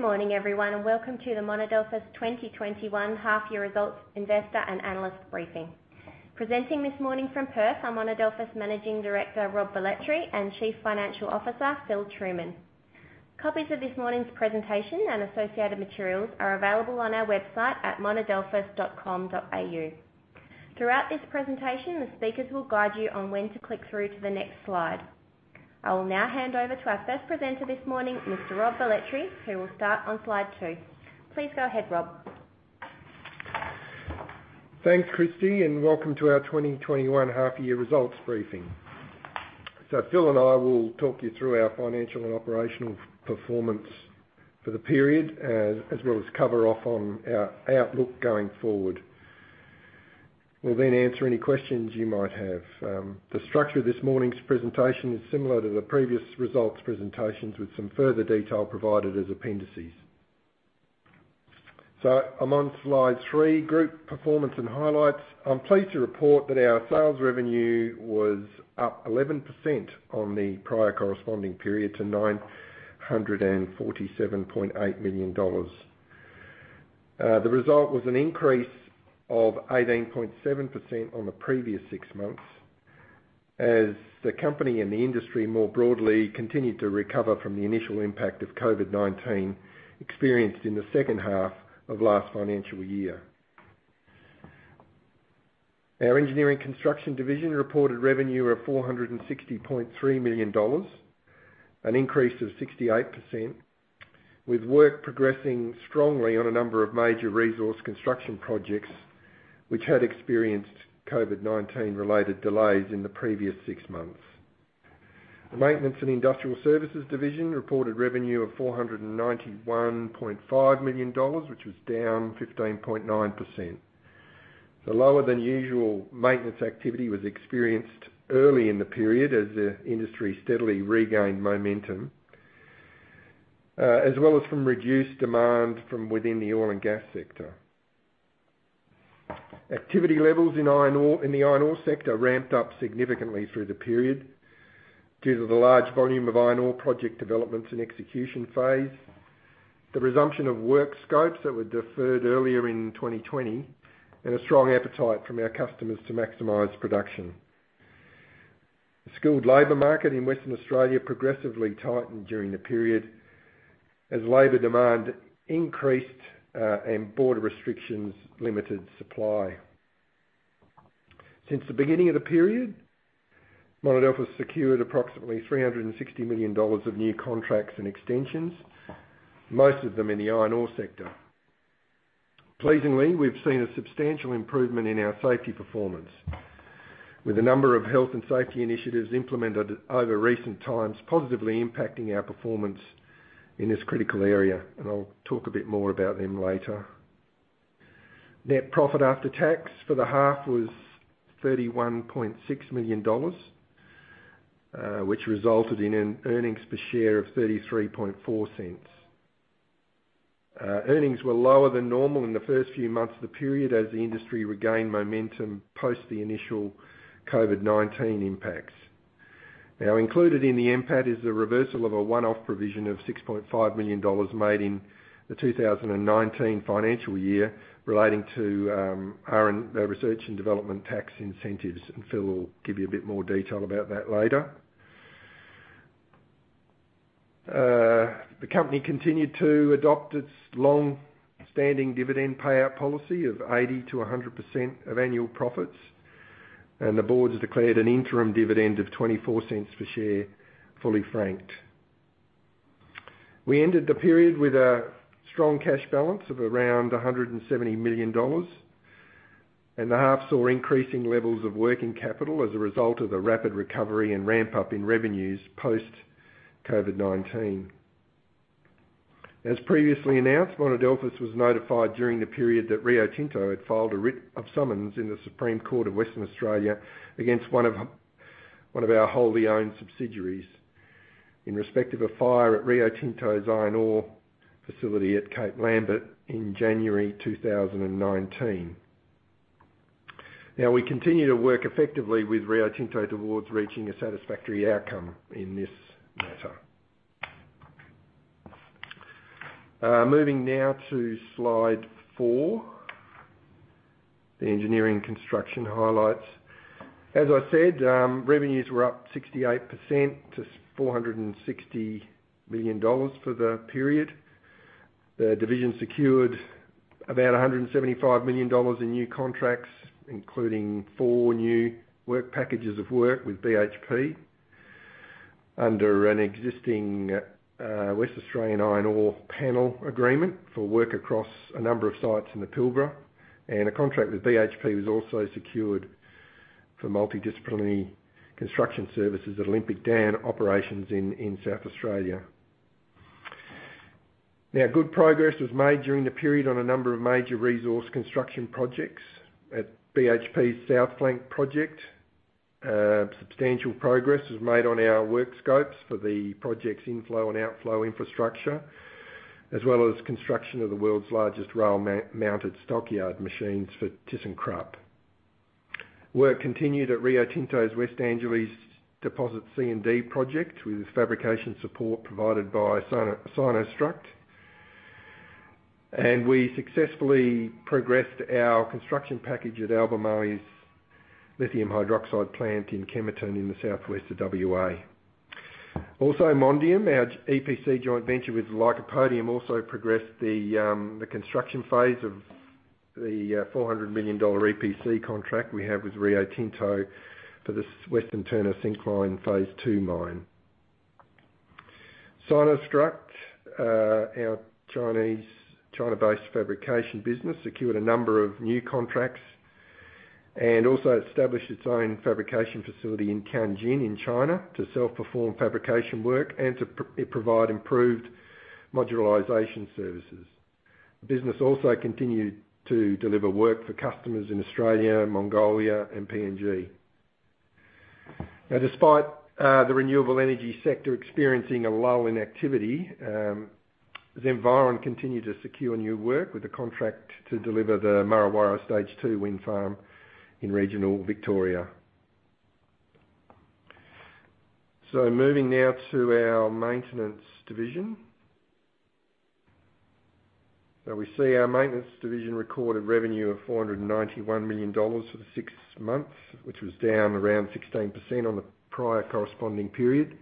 Good morning, everyone, and welcome to the Monadelphous 2021 half year results investor and analyst briefing. Presenting this morning from Perth are Monadelphous Managing Director, Rob Velletri, and Chief Financial Officer, Philip Trueman. Copies of this morning's presentation and associated materials are available on our website at monadelphous.com.au. Throughout this presentation, the speakers will guide you on when to click through to the next slide. I will now hand over to our first presenter this morning, Mr Rob Velletri, who will start on slide two. Please go ahead, Rob. Thanks, Kristy, welcome to our 2021 half year results briefing. Phil and I will talk you through our financial and operational performance for the period, as well as cover off on our outlook going forward. We'll then answer any questions you might have. The structure of this morning's presentation is similar to the previous results presentations, with some further detail provided as appendices. I'm on slide three, group performance and highlights. I'm pleased to report that our sales revenue was up 11% on the prior corresponding period to 947.8 million dollars. The result was an increase of 18.7% on the previous six months, as the company and the industry more broadly continued to recover from the initial impact of COVID-19 experienced in the second half of last financial year. Our Engineering Construction division reported revenue of 460.3 million dollars, an increase of 68%, with work progressing strongly on a number of major resource construction projects which had experienced COVID-19 related delays in the previous six months. The Maintenance and Industrial Services division reported revenue of 491.5 million dollars, which was down 15.9%. The lower than usual maintenance activity was experienced early in the period as the industry steadily regained momentum, as well as from reduced demand from within the oil and gas sector. Activity levels in the iron ore sector ramped up significantly through the period due to the large volume of iron ore project developments and execution phase, the resumption of work scopes that were deferred earlier in 2020, and a strong appetite from our customers to maximize production. The skilled labor market in Western Australia progressively tightened during the period as labor demand increased and border restrictions limited supply. Since the beginning of the period, Monadelphous secured approximately 360 million dollars of new contracts and extensions, most of them in the iron ore sector. Pleasingly, we've seen a substantial improvement in our safety performance, with a number of health and safety initiatives implemented over recent times positively impacting our performance in this critical area, and I'll talk a bit more about them later. Net profit after tax for the half was AUD 31.6 million, which resulted in an earnings per share of 0.334. Earnings were lower than normal in the first few months of the period as the industry regained momentum post the initial COVID-19 impacts. Included in the NPAT is the reversal of a one-off provision of 6.5 million dollars made in the 2019 financial year relating to our research and development tax incentives, and Phil will give you a bit more detail about that later. The company continued to adopt its long-standing dividend payout policy of 80% to 100% of annual profits, and the board has declared an interim dividend of 0.24 per share, fully franked. We ended the period with a strong cash balance of around 170 million dollars, and the half saw increasing levels of working capital as a result of the rapid recovery and ramp-up in revenues post-COVID-19. As previously announced, Monadelphous was notified during the period that Rio Tinto had filed a writ of summons in the Supreme Court of Western Australia against one of our wholly owned subsidiaries in respect of a fire at Rio Tinto's iron ore facility at Cape Lambert in January 2019. Now, we continue to work effectively with Rio Tinto towards reaching a satisfactory outcome in this matter. Moving now to slide four, the engineering construction highlights. As I said, revenues were up 68% to 460 million dollars for the period. The division secured about 175 million dollars in new contracts, including four new work packages of work with BHP under an existing West Australian iron ore panel agreement for work across a number of sites in the Pilbara. A contract with BHP was also secured for multidisciplinary construction services at Olympic Dam operations in South Australia. Good progress was made during the period on a number of major resource construction projects. At BHP's South Flank project, substantial progress was made on our work scopes for the project's inflow and outflow infrastructure, as well as construction of the world's largest rail-mounted stockyard machines for ThyssenKrupp. Work continued at Rio Tinto's West Angelas deposit C and D project, with fabrication support provided by SinoStruct. We successfully progressed our construction package at Albemarle's lithium hydroxide plant in Kemerton in the southwest of W.A. Mondium, our EPC joint venture with Lycopodium, also progressed the construction phase of the 400 million dollar EPC contract we have with Rio Tinto for this Western Turner Syncline phase II mine. SinoStruct, our China-based fabrication business, secured a number of new contracts and also established its own fabrication facility in Tianjin in China to self-perform fabrication work and to provide improved modularization services. The business also continued to deliver work for customers in Australia, Mongolia and PNG. Despite the renewable energy sector experiencing a lull in activity, Zenviron continued to secure new work with a contract to deliver the Murra Warra Stage 2 wind farm in regional Victoria. Moving now to our maintenance division. We see our maintenance division recorded revenue of 491 million dollars for the six months, which was down around 16% on the prior corresponding period.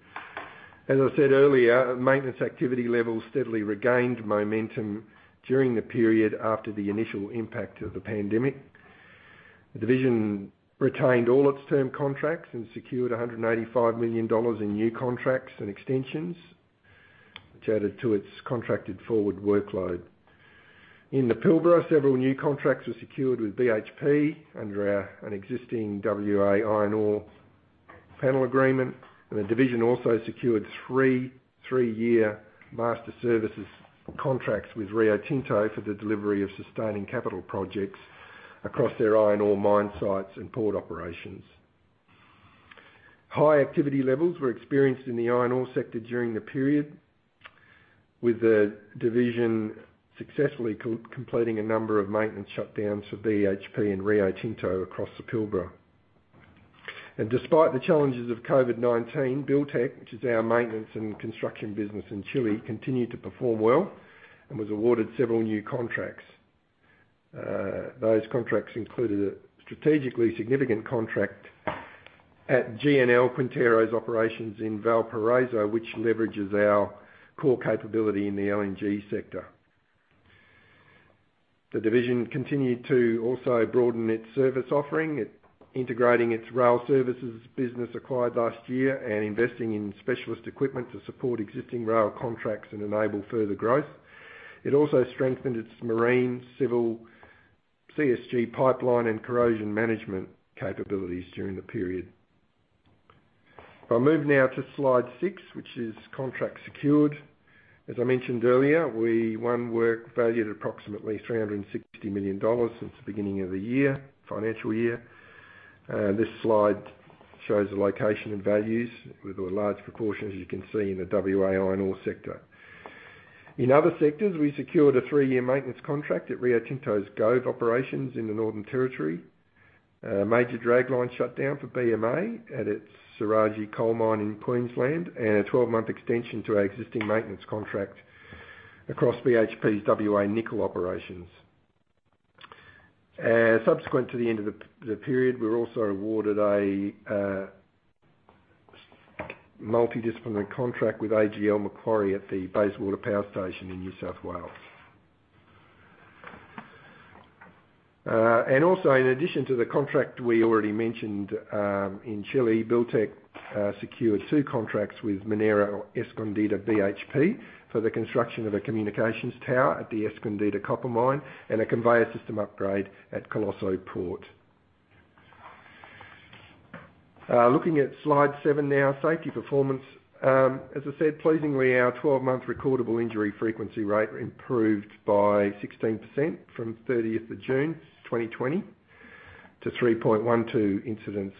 As I said earlier, maintenance activity levels steadily regained momentum during the period after the initial impact of the pandemic. The division retained all its term contracts and secured 185 million dollars in new contracts and extensions, which added to its contracted forward workload. In the Pilbara, several new contracts were secured with BHP under an existing W.A. iron ore panel agreement, and the division also secured three three-year master services contracts with Rio Tinto for the delivery of sustaining capital projects across their iron ore mine sites and port operations. High activity levels were experienced in the iron ore sector during the period, with the division successfully completing a number of maintenance shutdowns for BHP and Rio Tinto across the Pilbara. Despite the challenges of COVID-19, Buildtek, which is our maintenance and construction business in Chile, continued to perform well and was awarded several new contracts. Those contracts included a strategically significant contract at GNL Quintero's operations in Valparaíso, which leverages our core capability in the LNG sector. The division continued to also broaden its service offering, integrating its rail services business acquired last year and investing in specialist equipment to support existing rail contracts and enable further growth. It also strengthened its marine, civil, CSG pipeline and corrosion management capabilities during the period. If I move now to slide six, which is contracts secured. As I mentioned earlier, we won work valued at approximately 360 million dollars since the beginning of the financial year. This slide shows the location and values with a large proportion, as you can see, in the W.A. iron ore sector. In other sectors, we secured a three-year maintenance contract at Rio Tinto's Gove operations in the Northern Territory, a major dragline shutdown for BMA at its Saraji coal mine in Queensland, and a 12-month extension to our existing maintenance contract across BHP's W.A. nickel operations. Subsequent to the end of the period, we were also awarded a multidisciplinary contract with AGL Macquarie at the Bayswater Power Station in New South Wales. In addition to the contract we already mentioned in Chile, Buildtec secured two contracts with Minera Escondida BHP for the construction of a communications tower at the Escondida copper mine and a conveyor system upgrade at Coloso Port. Looking at slide seven now. Safety performance. As I said, pleasingly, our 12-month recordable injury frequency rate improved by 16% from 30th June 2020 to 3.12 incidents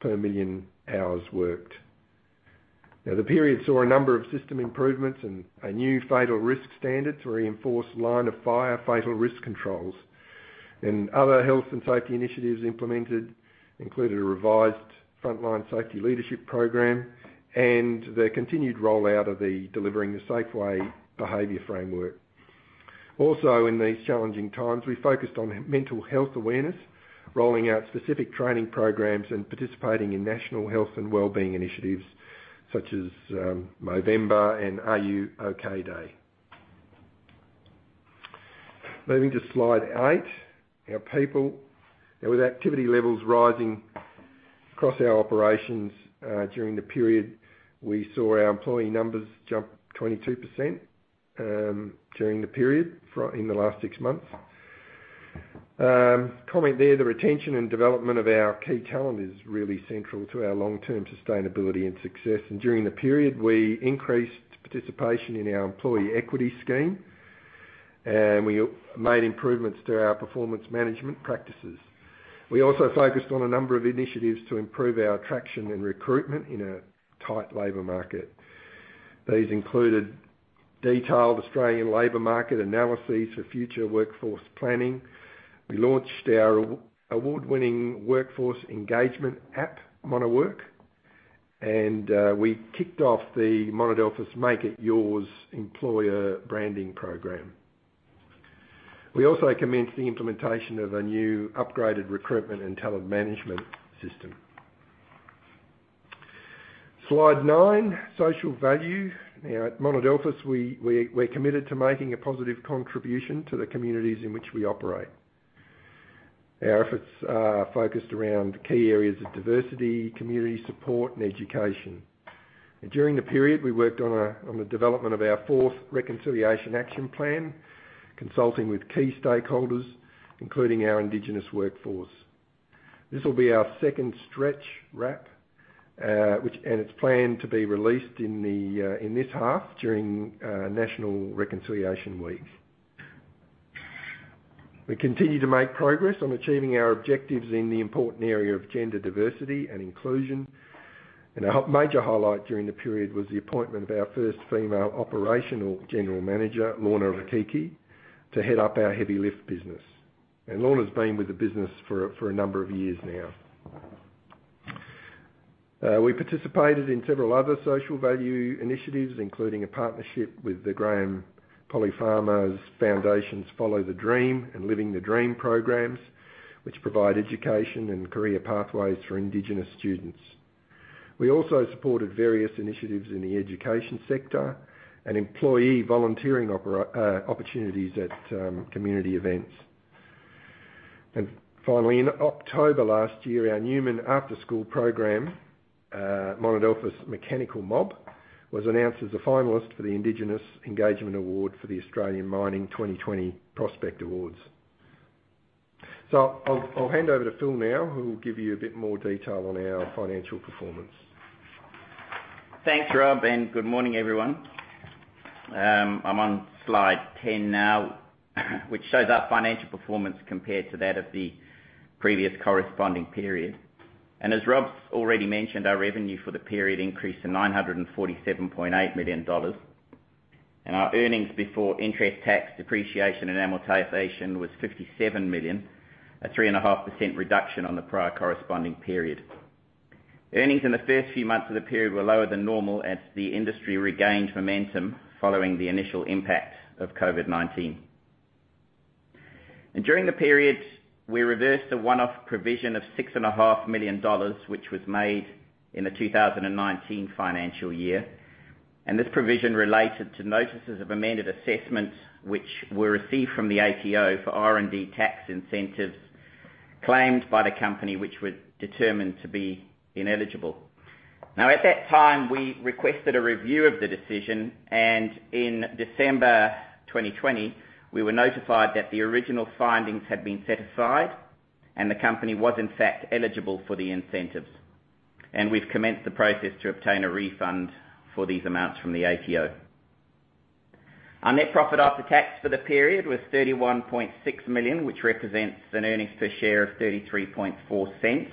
per million hours worked. Now, the period saw a number of system improvements and new fatal risk standards to reinforce line-of-fire fatal risk controls. Other health and safety initiatives implemented included a revised frontline safety leadership program and the continued rollout of the Delivering the Safe Way behavior framework. Also, in these challenging times, we focused on mental health awareness, rolling out specific training programs and participating in national health and wellbeing initiatives such as Movember and R U OK? Day. Moving to slide eight. Our people. Now, with activity levels rising across our operations during the period, we saw our employee numbers jump 22% during the period in the last six months. Comment there, the retention and development of our key talent is really central to our long-term sustainability and success, and during the period, we increased participation in our employee equity scheme, and we made improvements to our performance management practices. We also focused on a number of initiatives to improve our attraction and recruitment in a tight labor market. These included detailed Australian labor market analyses for future workforce planning. We launched our award-winning workforce engagement app, MonaWork, and we kicked off the Monadelphous Make It Yours employer branding program. We also commenced the implementation of a new upgraded recruitment and talent management system. Slide nine, social value. At Monadelphous, we're committed to making a positive contribution to the communities in which we operate. Our efforts are focused around key areas of diversity, community support, and education. During the period, we worked on the development of our fourth Reconciliation Action Plan, consulting with key stakeholders, including our indigenous workforce. This will be our second stretch RAP, and it's planned to be released in this half during National Reconciliation Week. We continue to make progress on achieving our objectives in the important area of gender diversity and inclusion. A major highlight during the period was the appointment of our first female operational general manager, Lorna Rokich, to head up our Heavy Lift business. Lorna's been with the business for a number of years now. We participated in several other social value initiatives, including a partnership with the Graham (Polly) Farmer Foundation's Follow the Dream and Living the Dream programs, which provide education and career pathways for Indigenous students. We also supported various initiatives in the education sector and employee volunteering opportunities at community events. Finally, in October last year, our Newman after-school program, Monadelphous Mechanical Mob, was announced as a finalist for the Indigenous Engagement Award for the Australian Mining 2020 Prospect Awards. I'll hand over to Phil now, who will give you a bit more detail on our financial performance. Thanks, Rob, good morning, everyone. I'm on slide 10 now which shows our financial performance compared to that of the previous corresponding period. As Rob's already mentioned, our revenue for the period increased to 947.8 million dollars. Our earnings before interest, tax, depreciation, and amortization was 57 million, a 3.5% reduction on the prior corresponding period. Earnings in the first few months of the period were lower than normal as the industry regained momentum following the initial impact of COVID-19. During the period, we reversed a one-off provision of 6.5 million dollars, which was made in the 2019 financial year. This provision related to notices of amended assessments which were received from the ATO for R&D tax incentives claimed by the company, which were determined to be ineligible. At that time, we requested a review of the decision, in December 2020, we were notified that the original findings had been set aside and the company was in fact eligible for the incentives. We've commenced the process to obtain a refund for these amounts from the ATO. Our net profit after tax for the period was 31.6 million, which represents an earnings per share of 0.334.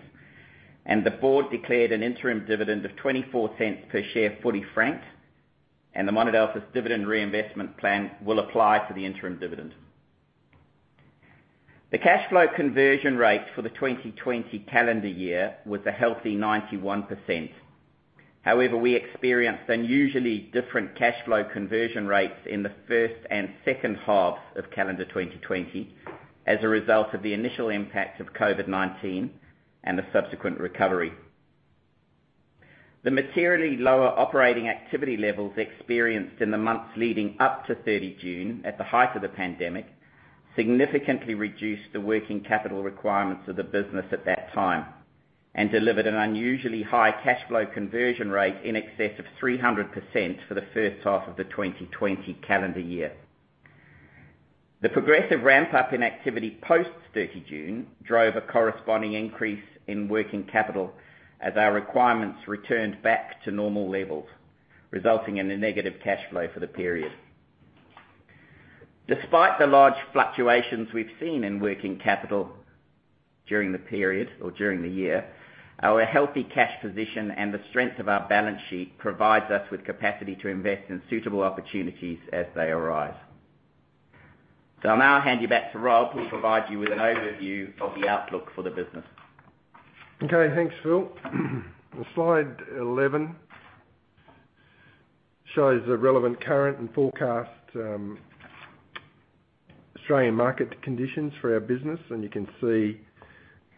The board declared an interim dividend of 0.24 per share fully franked. The Monadelphous dividend reinvestment plan will apply for the interim dividend. The cash flow conversion rate for the 2020 calendar year was a healthy 91%. However, we experienced unusually different cash flow conversion rates in the first and second halves of calendar 2020 as a result of the initial impact of COVID-19 and the subsequent recovery. The materially lower operating activity levels experienced in the months leading up to 30 June at the height of the pandemic significantly reduced the working capital requirements of the business at that time and delivered an unusually high cash flow conversion rate in excess of 300% for the first half of the 2020 calendar year. The progressive ramp-up in activity post-30 June drove a corresponding increase in working capital as our requirements returned back to normal levels, resulting in a negative cash flow for the period. Despite the large fluctuations we've seen in working capital during the period or during the year, our healthy cash position and the strength of our balance sheet provides us with capacity to invest in suitable opportunities as they arise. I'll now hand you back to Rob, who'll provide you with an overview of the outlook for the business. Okay, thanks, Phil. Slide 11 shows the relevant current and forecast Australian market conditions for our business. You can see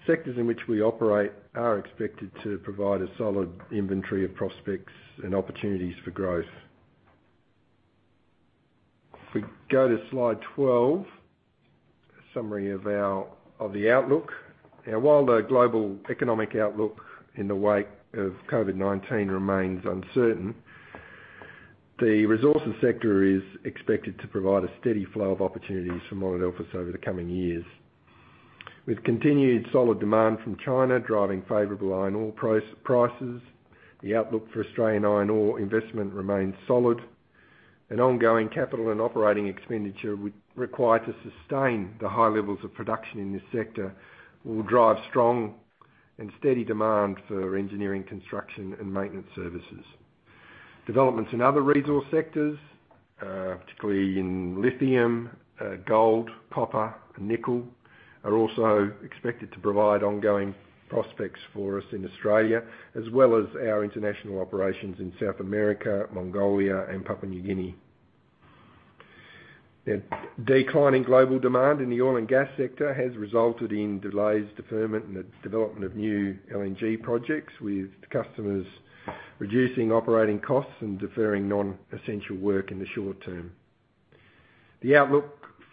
sectors in which we operate are expected to provide a solid inventory of prospects and opportunities for growth. If we go to slide 12, a summary of the outlook. While the global economic outlook in the wake of COVID-19 remains uncertain, the resources sector is expected to provide a steady flow of opportunities for Monadelphous over the coming years. With continued solid demand from China driving favorable iron ore prices, the outlook for Australian iron ore investment remains solid. An ongoing capital and operating expenditure required to sustain the high levels of production in this sector will drive strong and steady demand for engineering, construction and maintenance services. Developments in other resource sectors, particularly in lithium, gold, copper and nickel, are also expected to provide ongoing prospects for us in Australia, as well as our international operations in South America, Mongolia and Papua New Guinea. The decline in global demand in the oil and gas sector has resulted in delays, deferment in the development of new LNG projects, with customers reducing operating costs and deferring non-essential work in the short term. The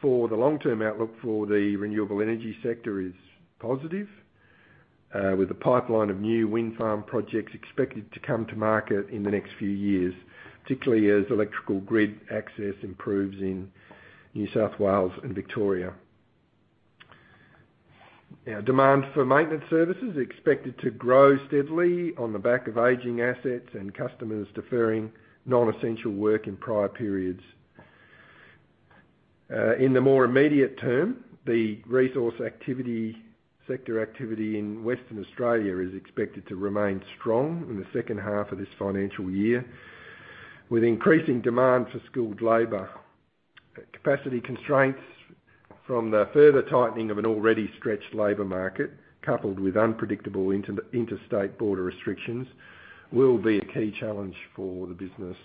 long-term outlook for the renewable energy sector is positive, with a pipeline of new wind farm projects expected to come to market in the next few years, particularly as electrical grid access improves in New South Wales and Victoria. Demand for maintenance services are expected to grow steadily on the back of aging assets and customers deferring non-essential work in prior periods. In the more immediate term, the resource sector activity in Western Australia is expected to remain strong in the second half of this financial year, with increasing demand for skilled labor. Capacity constraints from the further tightening of an already stretched labor market, coupled with unpredictable interstate border restrictions, will be a key challenge for the business.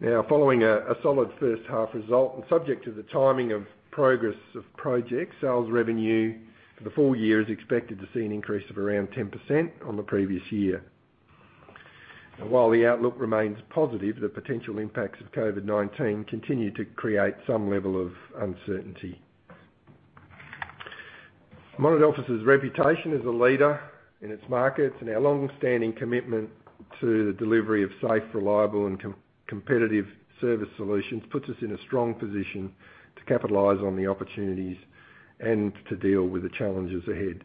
Now, following a solid first half result and subject to the timing of progress of projects, sales revenue for the full year is expected to see an increase of around 10% on the previous year. While the outlook remains positive, the potential impacts of COVID-19 continue to create some level of uncertainty. Monadelphous' reputation as a leader in its markets and our longstanding commitment to the delivery of safe, reliable and competitive service solutions puts us in a strong position to capitalize on the opportunities and to deal with the challenges ahead.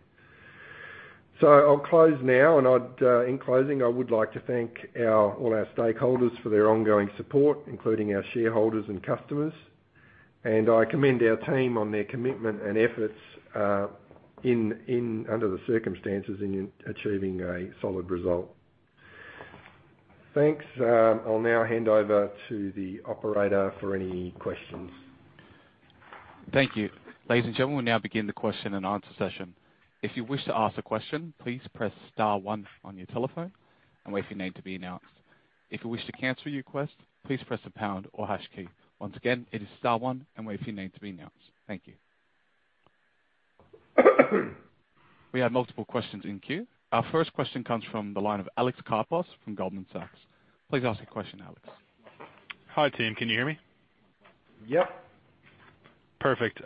I'll close now. In closing, I would like to thank all our stakeholders for their ongoing support, including our shareholders and customers. I commend our team on their commitment and efforts under the circumstances in achieving a solid result. Thanks. I'll now hand over to the operator for any questions. Thank you. Ladies and gentlemen, we now begin the question and answer session. If you wish to ask a question, please press star one on your telephone and wait for your name to be announced. If you wish to cancel your request, please press the pound or hash key. Once again, it is star one and wait for your name to be announced. Thank you. We have multiple questions in queue. Our first question comes from the line of Alex Karpos from Goldman Sachs. Please ask your question, Alex. Hi, team. Can you hear me? Yep. Perfect.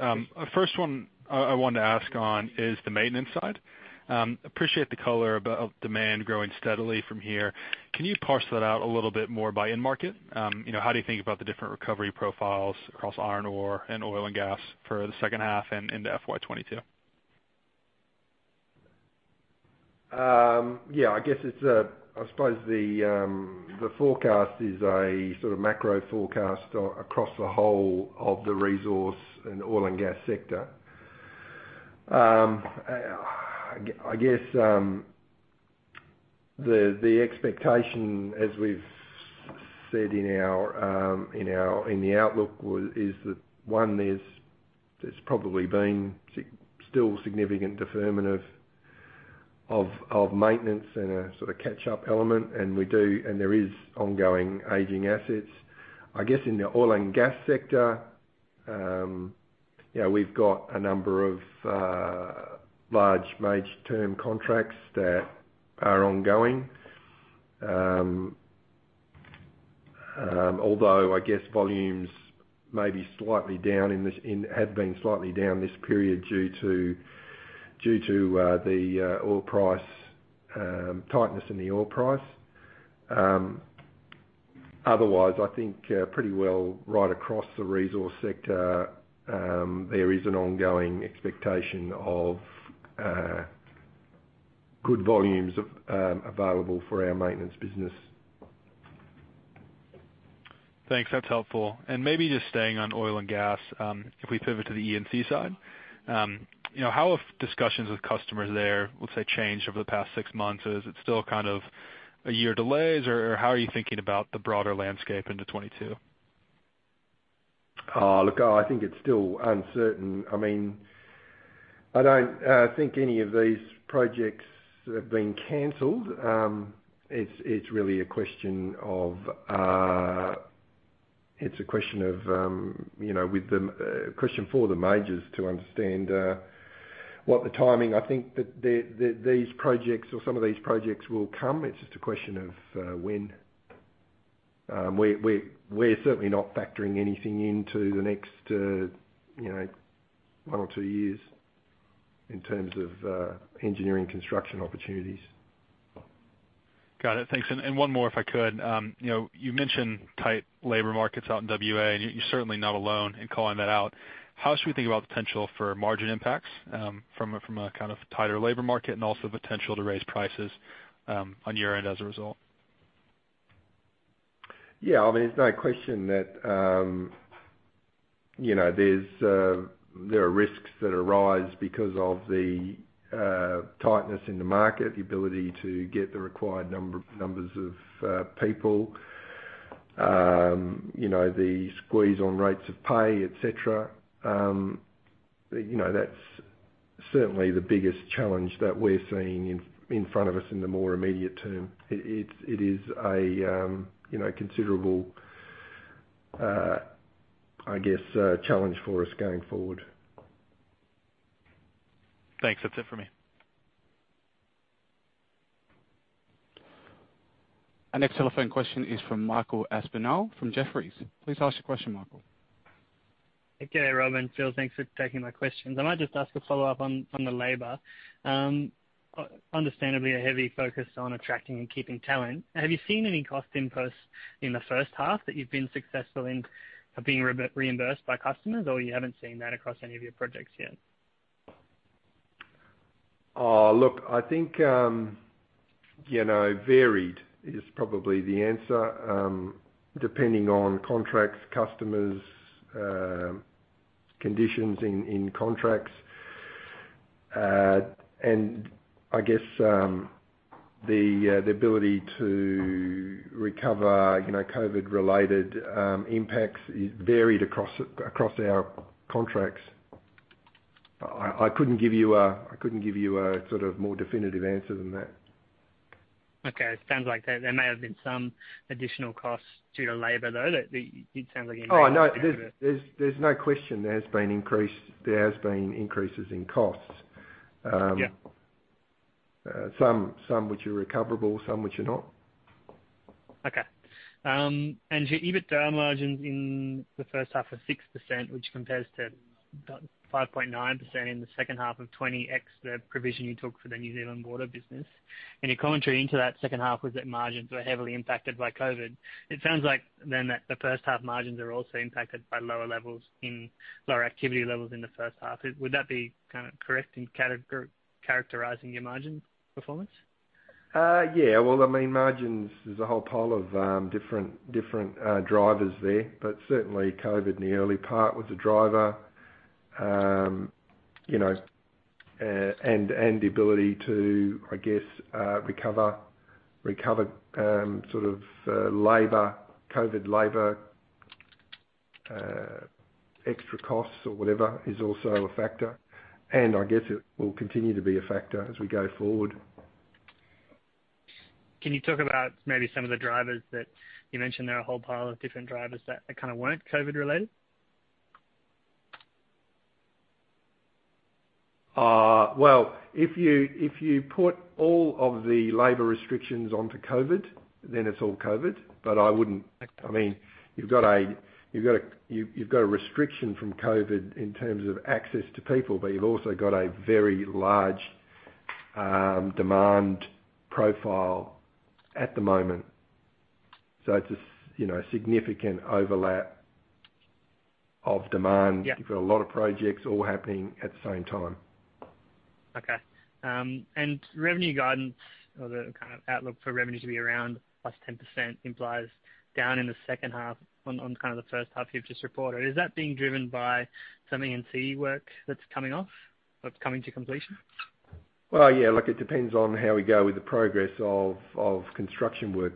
First one I wanted to ask on is the maintenance side. Appreciate the color about demand growing steadily from here. Can you parse that out a little bit more by end market? How do you think about the different recovery profiles across iron ore and oil and gas for the second half and into FY22? Yeah, I suppose the forecast is a sort of macro forecast across the whole of the resource and oil and gas sector. I guess, the expectation, as we've said in the outlook, is that one, there's probably been still significant deferment of maintenance and a sort of catch-up element. There is ongoing aging assets. I guess in the oil and gas sector, we've got a number of large major term contracts that are ongoing. Although, I guess volumes have been slightly down this period due to tightness in the oil price. Otherwise, I think pretty well right across the resource sector, there is an ongoing expectation of good volumes available for our maintenance business. Thanks. That's helpful. Maybe just staying on oil and gas, if we pivot to the E&C side. How have discussions with customers there, let's say, changed over the past six months? Is it still kind of a year delays, or how are you thinking about the broader landscape into 2022? Look, I think it's still uncertain. I don't think any of these projects have been canceled. It's a question for the majors to understand what the timing. I think that these projects or some of these projects will come. It's just a question of when. We're certainly not factoring anything into the next one or two years in terms of engineering construction opportunities. Got it. Thanks. One more, if I could. You mentioned tight labor markets out in W.A., and you're certainly not alone in calling that out. How should we think about potential for margin impacts from a kind of tighter labor market and also potential to raise prices on your end as a result? There's no question that there are risks that arise because of the tightness in the market, the ability to get the required numbers of people, the squeeze on rates of pay, et cetera. That's certainly the biggest challenge that we're seeing in front of us in the more immediate term. It is a considerable challenge for us going forward. Thanks. That's it for me. Our next telephone question is from Michael Aspinall from Jefferies. Please ask your question, Michael. Okay, Rob and Phil, thanks for taking my questions. I might just ask a follow-up on the labor. Understandably, a heavy focus on attracting and keeping talent. Have you seen any cost impulse in the first half that you've been successful in being reimbursed by customers, or you haven't seen that across any of your projects yet? Look, I think varied is probably the answer, depending on contracts, customers, conditions in contracts. The ability to recover COVID-related impacts is varied across our contracts. I couldn't give you a more definitive answer than that. Okay. It sounds like there may have been some additional costs due to labor, though. Oh, no, there's no question there has been increases in costs. Yeah. Some which are recoverable, some which are not. Okay. Your EBITDA margins in the first half of 6%, which compares to 5.9% in the second half of 2020, the provision you took for the New Zealand water business. Your commentary into that second half was that margins were heavily impacted by COVID. It sounds like then that the first half margins are also impacted by lower activity levels in the first half. Would that be correct in characterizing your margin performance? Margins, there's a whole pile of different drivers there, but certainly COVID in the early part was a driver, and the ability to recover COVID labor extra costs or whatever is also a factor. It will continue to be a factor as we go forward. Can you talk about maybe some of the drivers that you mentioned there are whole pile of different drivers that kind of weren't COVID related? If you put all of the labor restrictions onto COVID, then it's all COVID. You've got a restriction from COVID in terms of access to people, but you've also got a very large demand profile at the moment. It's a significant overlap of demand. Yeah. You've got a lot of projects all happening at the same time. Okay. Revenue guidance, or the kind of outlook for revenue to be around +10% implies down in the second half on kind of the first half you've just reported. Is that being driven by some E&C work that's coming off or coming to completion? It depends on how we go with the progress of construction work.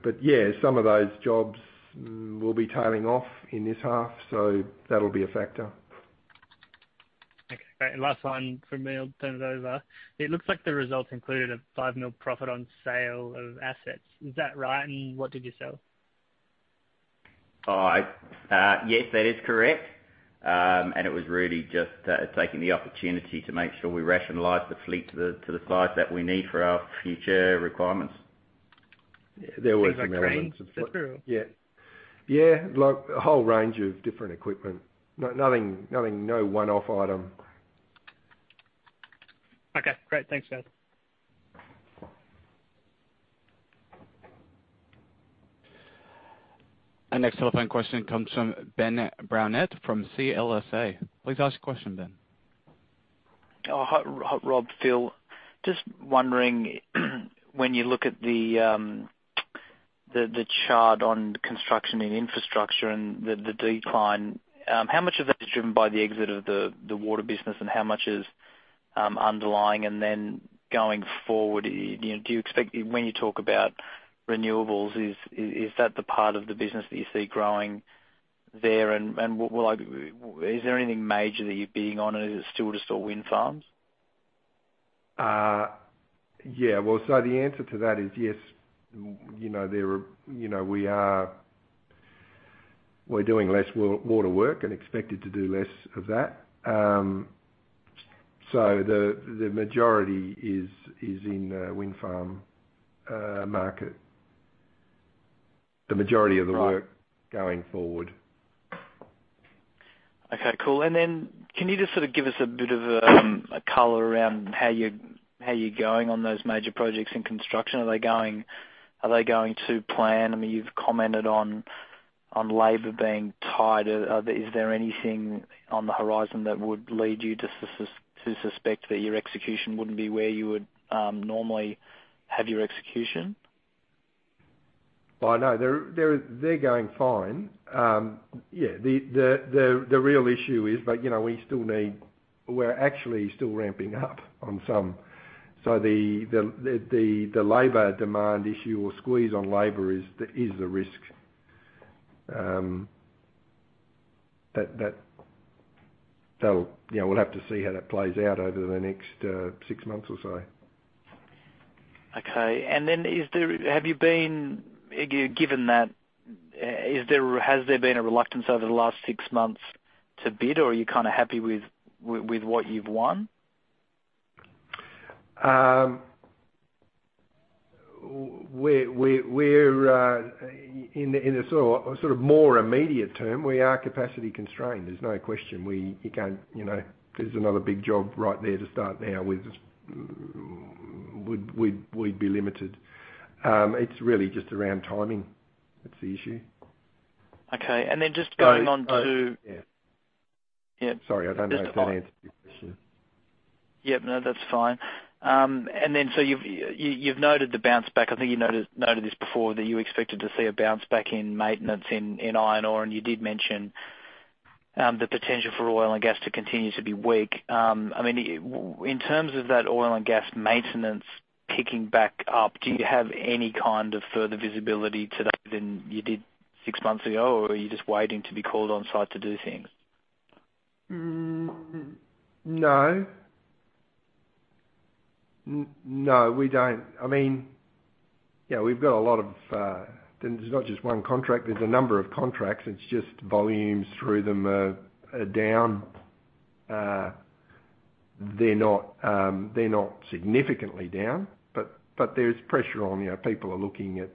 Some of those jobs will be tailing off in this half, so that will be a factor. Okay. Last one from me, I'll turn it over. It looks like the results included a 5 million profit on sale of assets. Is that right? What did you sell? Yes, that is correct. It was really just taking the opportunity to make sure we rationalize the fleet to the size that we need for our future requirements. There was- Things like cranes? Yeah. A whole range of different equipment. No one-off item. Okay, great. Thanks, guys. Our next telephone question comes from Ben Brownette from CLSA. Please ask your question, Ben. Rob, Phil, just wondering when you look at the chart on construction and infrastructure and the decline, how much of that is driven by the exit of the water business and how much is underlying? Going forward, when you talk about renewables, is that the part of the business that you see growing there? Is there anything major that you're bidding on, or is it still just all wind farms? Yeah. The answer to that is yes, we're doing less water work and expected to do less of that. The majority is in the wind farm market. The majority of the work going forward. Okay, cool. Can you just give us a bit of a color around how you're going on those major projects in construction? Are they going to plan? You've commented on labor being tight. Is there anything on the horizon that would lead you to suspect that your execution wouldn't be where you would normally have your execution? I know. They're going fine. Yeah. The real issue is we're actually still ramping up on some. The labor demand issue or squeeze on labor is the risk. We'll have to see how that plays out over the next six months or so. Okay. Has there been a reluctance over the last six months to bid, or are you kind of happy with what you've won? In a sort of more immediate term, we are capacity constrained. There's no question. If there's another big job right there to start now, we'd be limited. It's really just around timing. That's the issue. Okay. Yeah. Yeah. Sorry, I don't know if that answered your question. Yeah. No, that's fine. You've noted the bounce back, I think you noted this before, that you expected to see a bounce back in maintenance in iron ore, and you did mention the potential for oil and gas to continue to be weak. In terms of that oil and gas maintenance kicking back up, do you have any kind of further visibility today than you did six months ago? Are you just waiting to be called on site to do things? No. No, we don't. There's not just one contract, there's a number of contracts. It's just volumes through them are down. They're not significantly down, but there's pressure on, people are looking at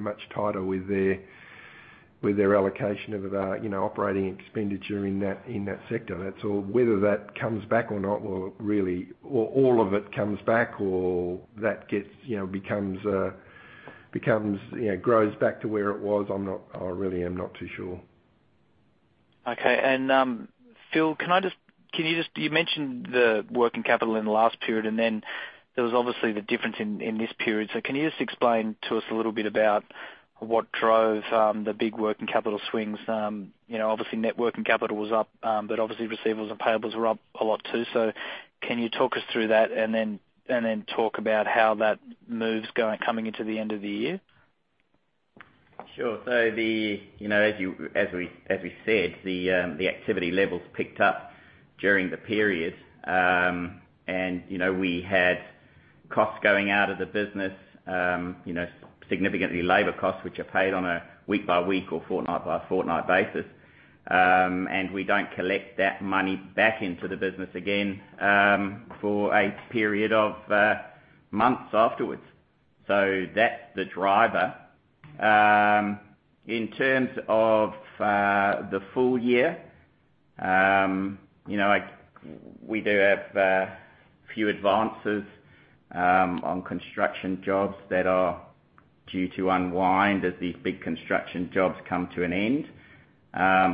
much tighter with their allocation of operating expenditure in that sector. That's all. Whether that comes back or not or all of it comes back or that grows back to where it was, I really am not too sure. Okay. Phil, you mentioned the working capital in the last period, there was obviously the difference in this period. Can you just explain to us a little bit about what drove the big working capital swings? Obviously, net working capital was up, obviously receivables and payables were up a lot too. Can you talk us through that talk about how that move's coming into the end of the year? Sure. As we said, the activity levels picked up during the period. We had costs going out of the business, significantly labor costs, which are paid on a week by week or fortnight by fortnight basis. We don't collect that money back into the business again, for a period of months afterwards. That's the driver. In terms of the full year, we do have a few advances on construction jobs that are due to unwind as these big construction jobs come to an end.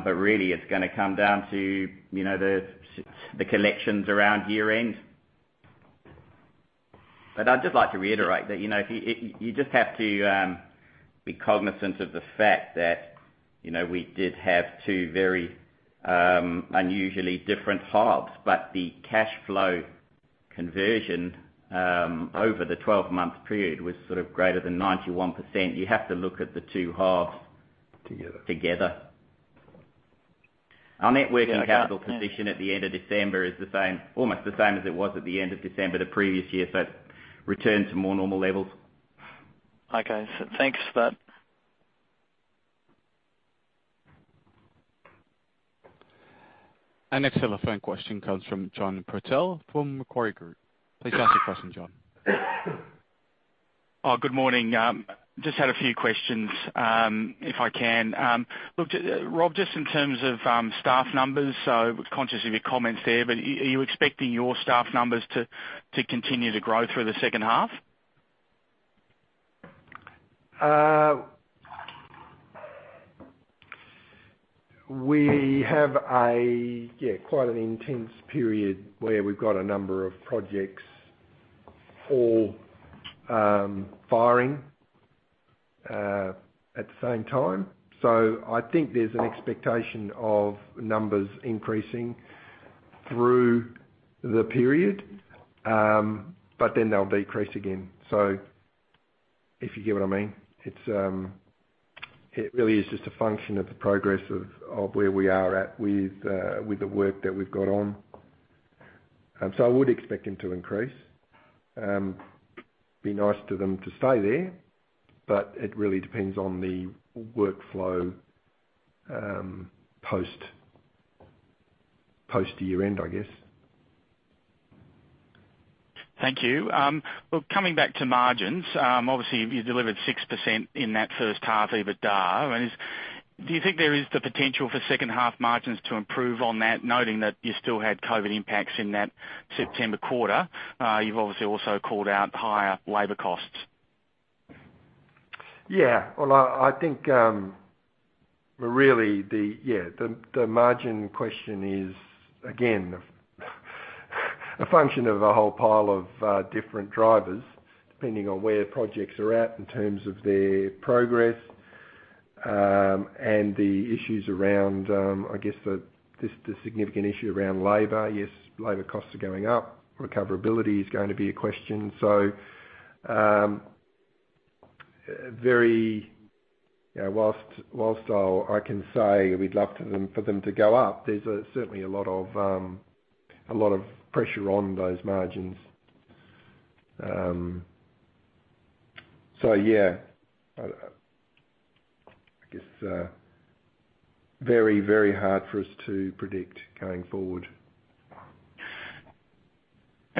Really it's going to come down to the collections around year-end. I'd just like to reiterate that you just have to be cognizant of the fact that we did have two very unusually different halves, but the cash flow conversion over the 12-month period was sort of greater than 91%. You have to look at the two halves. Together together. Our net working capital position at the end of December is almost the same as it was at the end of December the previous year, it's returned to more normal levels. Okay. Thanks for that. Our next telephone question comes from John Purtell from Macquarie Group. Please ask your question, John. Oh, good morning. Just had a few questions, if I can. Rob, just in terms of staff numbers, so conscious of your comments there, but are you expecting your staff numbers to continue to grow through the second half? We have quite an intense period where we've got a number of projects all firing at the same time. I think there's an expectation of numbers increasing through the period, but then they'll decrease again. If you get what I mean. It really is just a function of the progress of where we are at with the work that we've got on. I would expect them to increase. Be nice to them to stay there, but it really depends on the workflow post year-end, I guess. Thank you. Well, coming back to margins, obviously you delivered 6% in that first half EBITDA. Do you think there is the potential for second half margins to improve on that, noting that you still had COVID impacts in that September quarter? You've obviously also called out higher labor costs. Yeah. Well, I think the margin question is, again, a function of a whole pile of different drivers, depending on where projects are at in terms of their progress, and the issues around, I guess, the significant issue around labor. Yes, labor costs are going up, recoverability is going to be a question. Whilst I can say we'd love for them to go up, there's certainly a lot of pressure on those margins. Yeah, I guess very hard for us to predict going forward.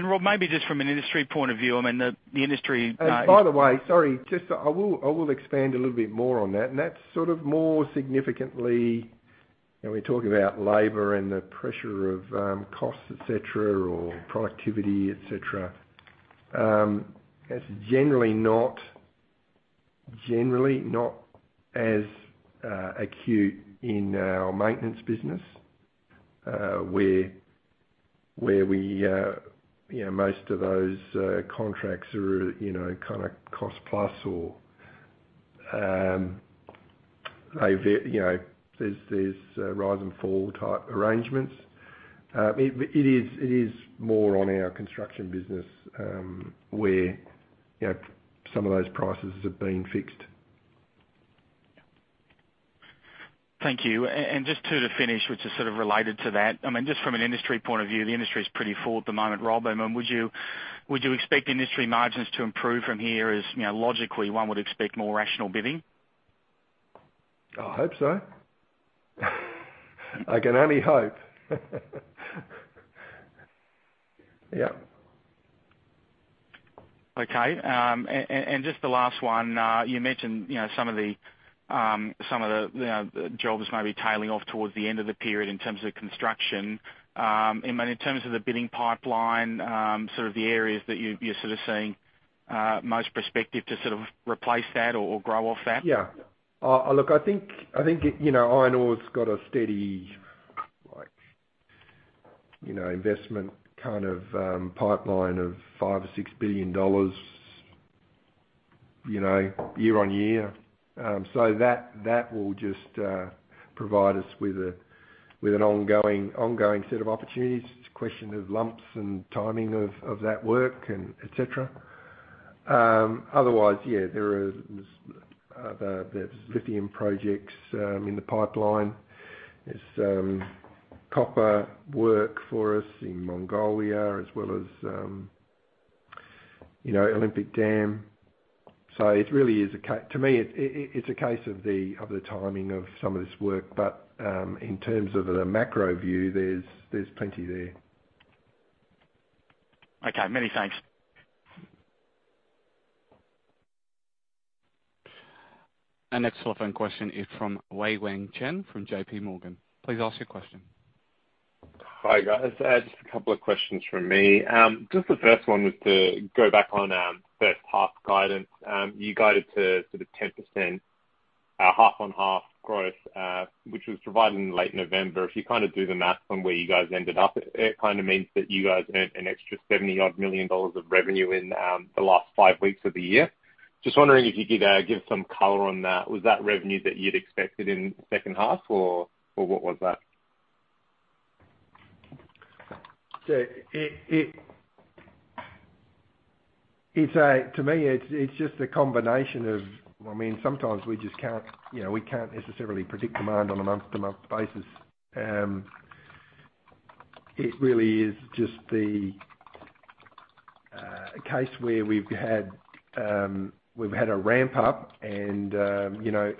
Rob, maybe just from an industry point of view. By the way, sorry, I will expand a little bit more on that, and that's more significantly, we're talking about labor and the pressure of costs, et cetera, or productivity, et cetera. It is generally not as acute in our maintenance business, where most of those contracts are cost plus or there is rise and fall type arrangements. It is more on our construction business, where some of those prices have been fixed. Thank you. Just to finish, which is sort of related to that. Just from an industry point of view, the industry is pretty full at the moment, Rob. Would you expect industry margins to improve from here, as logically one would expect more rational bidding? I hope so. I can only hope. Yeah. Okay. Just the last one. You mentioned some of the jobs may be tailing off towards the end of the period in terms of construction. In terms of the bidding pipeline, the areas that you're sort of seeing most prospective to replace that or grow off that? Yeah. Look, I think iron ore's got a steady investment kind of pipeline of 5 billion or 6 billion dollars, year-on-year. That will just provide us with an ongoing set of opportunities. It's a question of lumps and timing of that work and et cetera. Otherwise, yeah, there's lithium projects in the pipeline. There's copper work for us in Mongolia, as well as Olympic Dam. To me, it's a case of the timing of some of this work. In terms of the macro view, there's plenty there. Okay, many thanks. Our next telephone question is from Wei Wang Chen from JP Morgan. Please ask your question. Hi, guys. Just a couple of questions from me. Just the first one was to go back on first half guidance. You guided to sort of 10% half on half growth, which was provided in late November. If you do the math from where you guys ended up, it kind of means that you guys earned an extra 70 odd million of revenue in the last five weeks of the year. Just wondering if you could give some color on that. Was that revenue that you'd expected in the second half, or what was that? To me, it's just a combination of, sometimes we can't necessarily predict demand on a month to month basis. It really is just the case where we've had a ramp-up and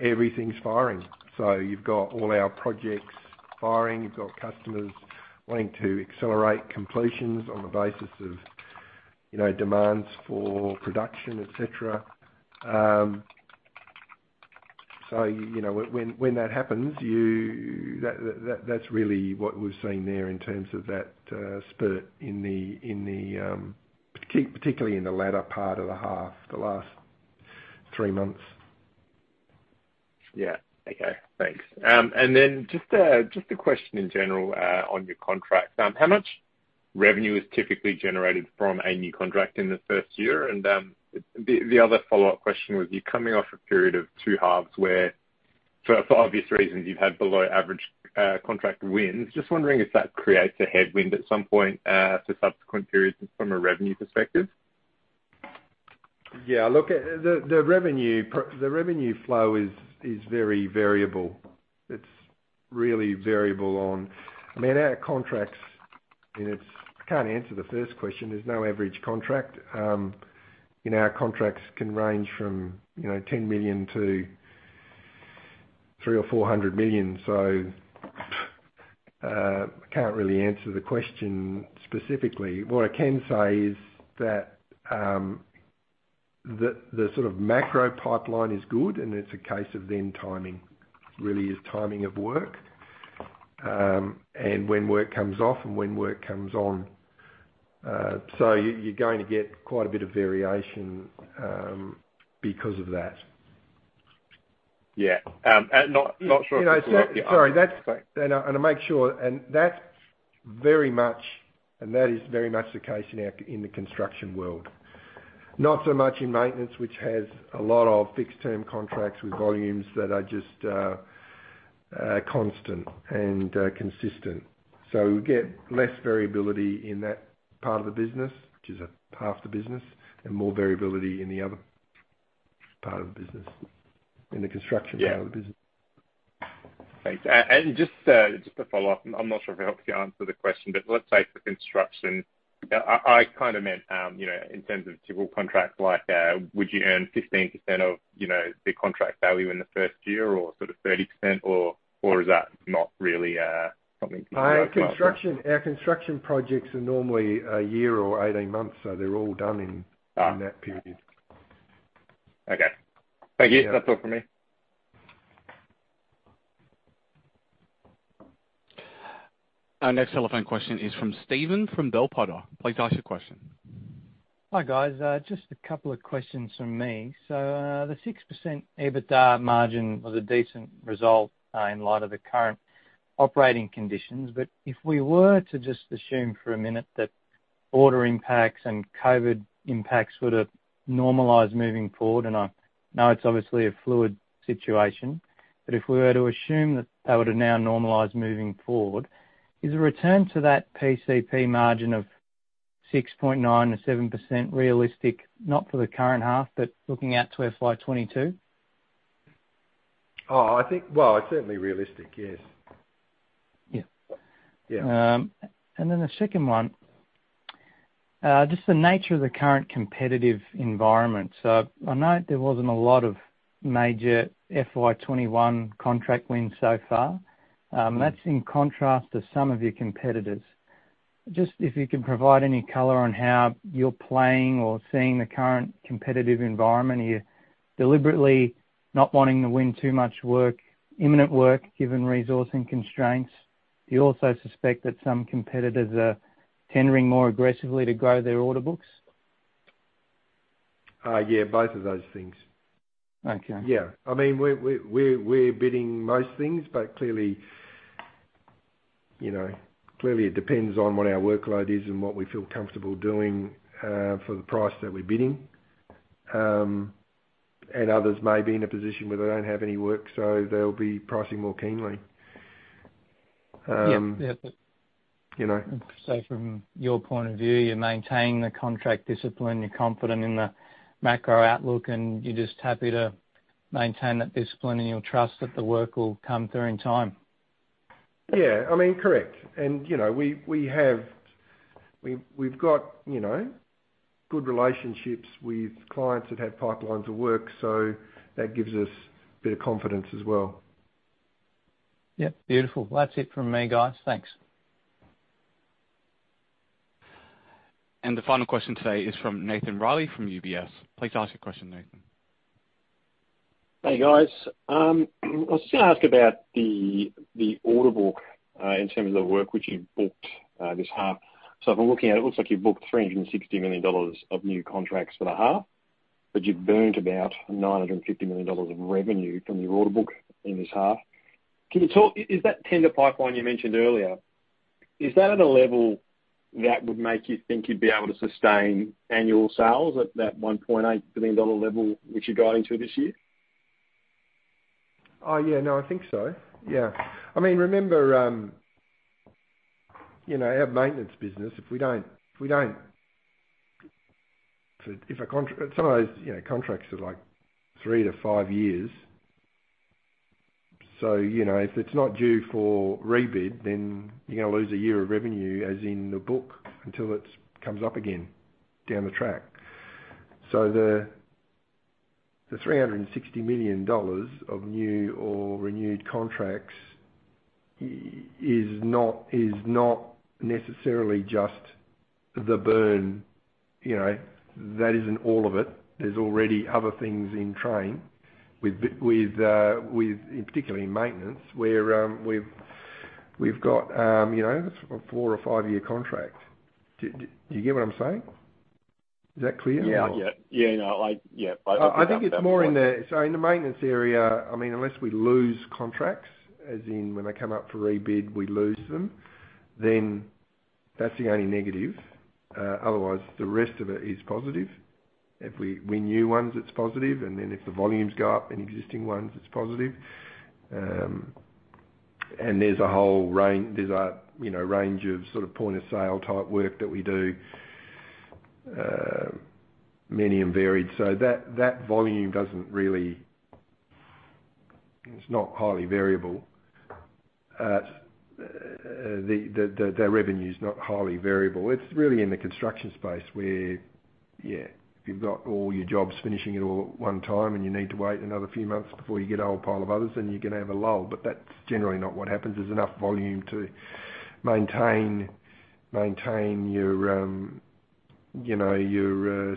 everything's firing. You've got all our projects firing, you've got customers wanting to accelerate completions on the basis of demands for production, et cetera. When that happens, that's really what we've seen there in terms of that spurt, particularly in the latter part of the half, the last three months. Yeah. Okay, thanks. Then just a question in general on your contracts. How much revenue is typically generated from a new contract in the first year? The other follow-up question was, you're coming off a period of two halves where, for obvious reasons, you've had below average contract wins. Just wondering if that creates a headwind at some point for subsequent periods from a revenue perspective. Yeah, look, the revenue flow is very variable. It's really variable on our contracts. I can't answer the first question. There's no average contract. Our contracts can range from 10 million to 400 million or 400 million. I can't really answer the question specifically. What I can say is that the sort of macro pipeline is good, and it's a case of then timing, really is timing of work. When work comes off and when work comes on. You're going to get quite a bit of variation because of that. Yeah. Not sure if this will help you. Sorry. That is very much the case in the construction world. Not so much in maintenance, which has a lot of fixed-term contracts with volumes that are just constant and consistent. We get less variability in that part of the business, which is half the business, and more variability in the other part of the business, in the construction part of the business. Yeah. Thanks. Just to follow up, I'm not sure if it helps you answer the question, but let's say for construction, I kind of meant in terms of civil contracts, would you earn 15% of the contract value in the first year or 30% or is that not really something. Our construction projects are normally a year or 18 months, so they're all done in that period. Okay. Thank you. That's all from me. Our next telephone question is from Steven from Bell Potter. Please ask your question. Hi, guys. Just a couple of questions from me. The 6% EBITDA margin was a decent result in light of the current operating conditions. If we were to just assume for a minute that border impacts and COVID impacts would have normalized moving forward, and I know it's obviously a fluid situation, but if we were to assume that they would have now normalized moving forward, is a return to that PCP margin of 6.9% to 7% realistic, not for the current half, but looking out to FY 2022? Oh, I think, well, it's certainly realistic, yes. Yeah. Yeah. The second one, just the nature of the current competitive environment. I note there wasn't a lot of major FY 2021 contract wins so far. That's in contrast to some of your competitors. Just if you can provide any color on how you're playing or seeing the current competitive environment. Are you deliberately not wanting to win too much work, imminent work, given resourcing constraints? Do you also suspect that some competitors are tendering more aggressively to grow their order books? Yeah, both of those things. Okay. Yeah. We're bidding most things, but clearly it depends on what our workload is and what we feel comfortable doing for the price that we're bidding. Others may be in a position where they don't have any work, so they'll be pricing more keenly. Yeah. You know. From your point of view, you're maintaining the contract discipline, you're confident in the macro outlook, and you're just happy to maintain that discipline in your trust that the work will come through in time. Yeah. Correct. We've got good relationships with clients that have pipelines of work, so that gives us a bit of confidence as well. Yeah. Beautiful. Well, that's it from me, guys. Thanks. The final question today is from Nathan Reilly from UBS. Please ask your question, Nathan. Hey, guys. I was just going to ask about the order book in terms of the work which you've booked this half. From looking at it looks like you've booked 360 million dollars of new contracts for the half, but you've burned about 950 million dollars of revenue from your order book in this half. Is that tender pipeline you mentioned earlier, is that at a level that would make you think you'd be able to sustain annual sales at that 1.8 billion dollar level, which you got into this year? Oh, yeah. No, I think so. Yeah. Remember, our maintenance business, some of those contracts are three to five years. If it's not due for re-bid, then you're going to lose a year of revenue, as in the book, until it comes up again down the track. The 360 million dollars of new or renewed contracts is not necessarily just the burn. That isn't all of it. There's already other things in train particularly in maintenance, where we've got a four or five-year contract. Do you get what I'm saying? Is that clear? Yeah. I think it's more in the maintenance area, unless we lose contracts, as in when they come up for re-bid, we lose them, then that's the only negative. Otherwise, the rest of it is positive. If we win new ones, it's positive, then if the volumes go up in existing ones, it's positive. There's a whole range of point of sale type work that we do, many and varied. That volume is not highly variable. The revenue's not highly variable. It's really in the construction space where, yeah, if you've got all your jobs finishing at all at one time, you need to wait another few months before you get a whole pile of others, then you're going to have a lull. That's generally not what happens. There's enough volume to maintain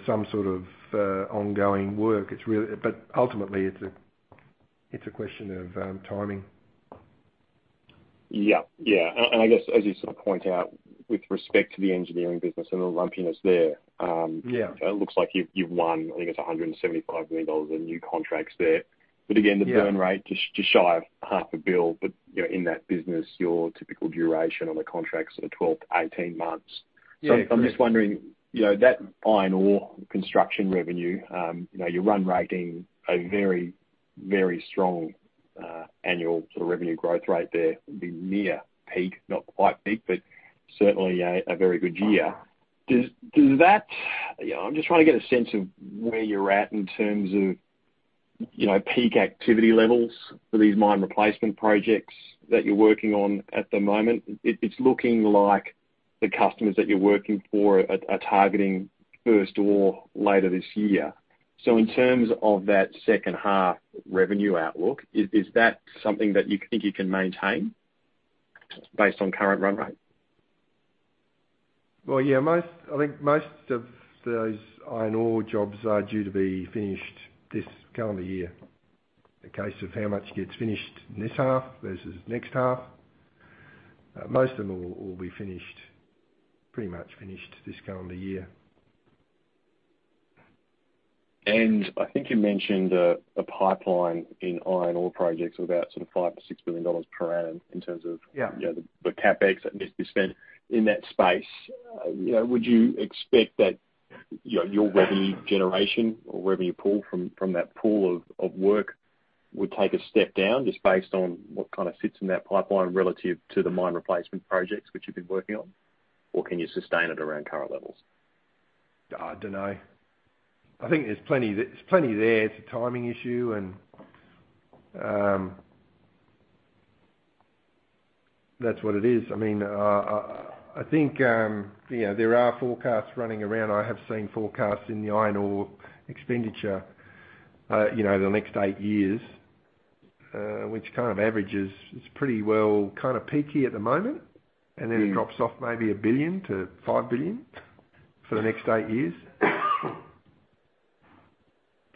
some sort of ongoing work. Ultimately, it's a question of timing. Yeah. I guess, as you sort of point out with respect to the engineering business and the lumpiness there- Yeah it looks like you've won, I think it's 175 million dollars of new contracts there. Yeah The burn rate just shy of half a bill. In that business, your typical duration on the contracts are 12 to 18 months. Yeah. Correct. I'm just wondering, that iron ore construction revenue, your run rate being a very strong annual sort of revenue growth rate there would be near peak, not quite peak. Certainly a very good year. I'm just trying to get a sense of where you're at in terms of peak activity levels for these mine replacement projects that you're working on at the moment. It's looking like the customers that you're working for are targeting first ore later this year. In terms of that second half revenue outlook, is that something that you think you can maintain based on current run rate? Well, yeah, I think most of those iron ore jobs are due to be finished this calendar year. A case of how much gets finished in this half versus next half. Most of them will be pretty much finished this calendar year. I think you mentioned a pipeline in iron ore projects of about sort of 5 to 6 billion per annum. Yeah the CapEx that needs to be spent in that space. Would you expect that your revenue generation or revenue pool from that pool of work would take a step down just based on what kind of sits in that pipeline relative to the mine replacement projects which you've been working on? Or can you sustain it around current levels? I don't know. I think there's plenty there. It's a timing issue and that's what it is. I think there are forecasts running around. I have seen forecasts in the iron ore expenditure the next eight years, which kind of averages, it's pretty well kind of peaky at the moment. Then it drops off maybe 1 to 5 billion for the next eight years.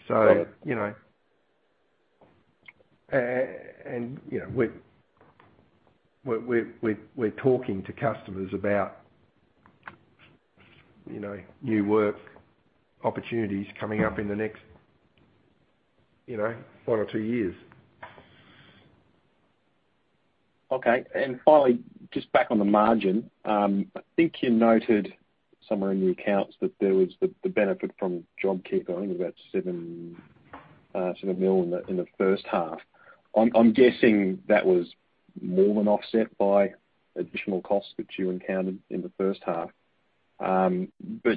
Right. We're talking to customers about new work opportunities coming up in the next one or two years. Okay. Finally, just back on the margin. I think you noted somewhere in the accounts that there was the benefit from JobKeeper, I think about 7 million in the first half. I am guessing that was more than offset by additional costs that you encountered in the first half.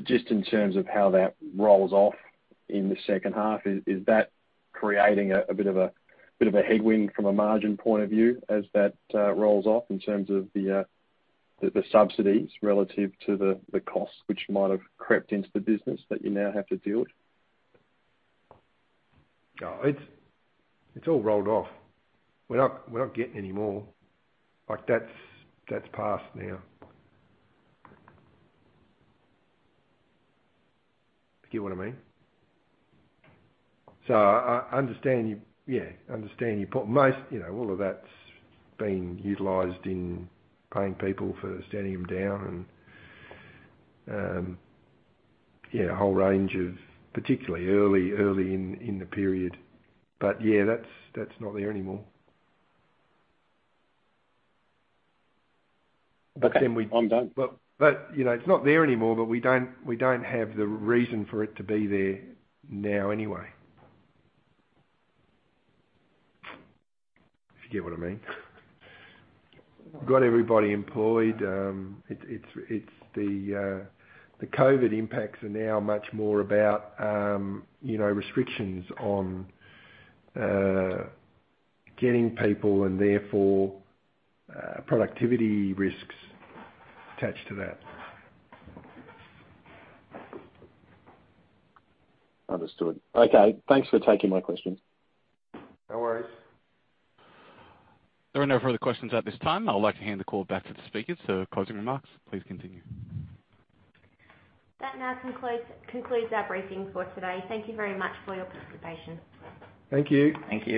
Just in terms of how that rolls off in the second half, is that creating a bit of a headwind from a margin point of view as that rolls off in terms of the subsidies relative to the cost which might have crept into the business that you now have to deal with? It's all rolled off. We're not getting any more. That's passed now. If you get what I mean. I understand you. I understand you put most, all of that's been utilized in paying people for standing them down and a whole range of, particularly early in the period. That's not there anymore. Okay. I'm done. It's not there anymore, but we don't have the reason for it to be there now anyway. If you get what I mean. Got everybody employed. The COVID-19 impacts are now much more about restrictions on getting people and therefore productivity risks attached to that. Understood. Okay. Thanks for taking my questions. No worries. There are no further questions at this time. I would like to hand the call back to the speakers for closing remarks. Please continue. That now concludes our briefing for today. Thank you very much for your participation. Thank you. Thank you.